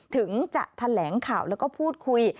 ถึงจะแถลงข่าวแล้วก็พูดคุย